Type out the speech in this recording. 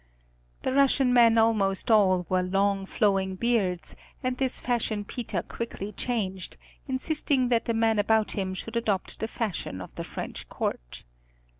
The Russian men almost all wore long, flowing beards, and this fashion Peter quickly changed, insisting that the men about him should adopt the fashion of the French court.